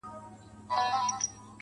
دې جوارۍ کي يې دوه زړونه په يوه ايښي دي~